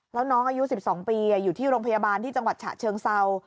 แล้วน้องอายุ๑๒ปีอยู่ที่โรงพยาบาลที่จังหวัดฉะเชิงเศร้า